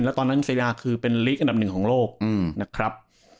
แล้วตอนนั้นเซดาคือเป็นลีกอันดับหนึ่งของโลกนะครับ